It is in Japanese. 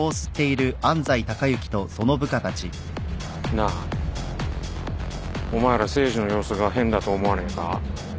なあお前ら誠司の様子が変だと思わねえか？